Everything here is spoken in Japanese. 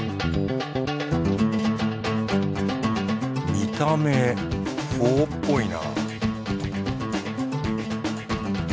見た目フォーっぽいな